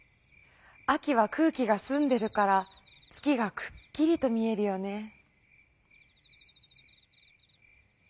秋は空気がすんでるから月がくっきりと見えるよね。